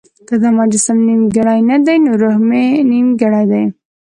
که زما جسم نيمګړی نه دی نو روح مې نيمګړی دی.